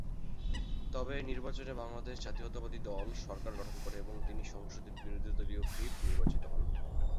তবে এ নির্বাচনে বাংলাদেশ জাতীয়তাবাদী দল সরকার গঠন করে এবং তিনি সংসদে বিরোধীদলীয় হুইপ নির্বাচিত হন।